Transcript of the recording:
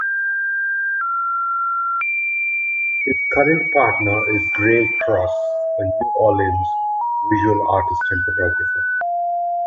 His current partner is Grey Cross, a New Orleans visual artist and photographer.